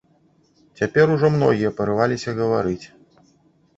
Цяпер ужо многія парываліся гаварыць.